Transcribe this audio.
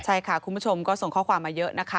ใช่ค่ะคุณผู้ชมก็ส่งข้อความมาเยอะนะคะ